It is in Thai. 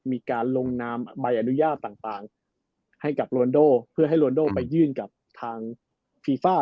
มีการลงนามใบอนุญาตต่างให้กับโรนโดเพื่อให้โรนโดไปยื่นกับทางฟีฟ่า